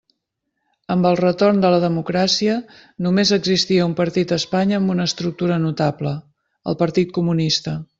Amb el retorn de la democràcia, només existia un partit a Espanya amb una estructura notable: el Partit Comunista.